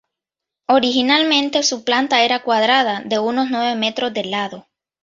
Originalmente, su planta era cuadrada, de unos nueve metros de lado.